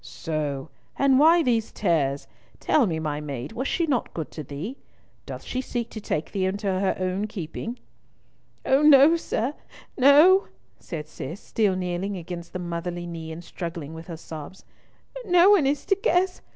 "So! And why these tears? Tell me, my maid, was not she good to thee? Doth she seek to take thee into her own keeping?" "Oh no, sir, no," said Cis, still kneeling against the motherly knee and struggling with her sobs. "No one is to guess.